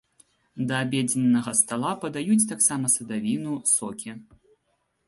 Да абедзеннага стала падаюць таксама садавіну, сокі.